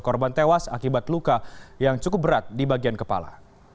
korban tewas akibat luka yang cukup berat di bagian kepala